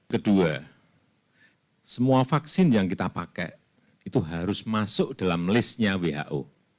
kedua semua vaksin yang kita pakai itu harus masuk dalam listnya who